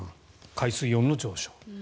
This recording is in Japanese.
海水温の上昇。